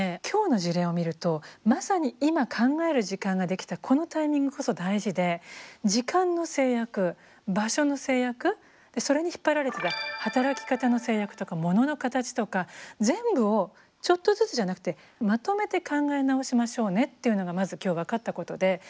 今日の事例を見るとまさに今考える時間ができたこのタイミングこそ大事で時間の制約場所の制約それに引っ張られてた働き方の制約とかモノの形とか全部をちょっとずつじゃなくてまとめて考え直しましょうねっていうのがまず今日分かったことで。